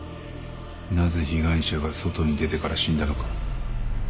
なぜ被害者が外に出てから死んだのか。